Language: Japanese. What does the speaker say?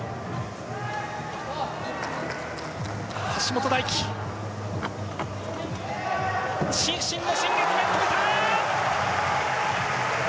橋本大輝、伸身の新月面、止めた！